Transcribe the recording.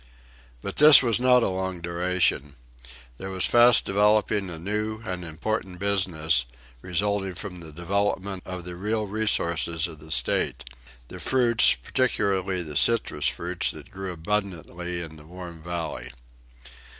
But this was not a long duration. There was fast developing a new and important business, resulting from the development of the real resources of the State the fruits, particularly the citrous fruits that grew abundantly in the warm valley.